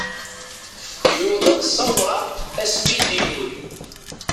Yuḍen sawraɣ ass mi d-ilul.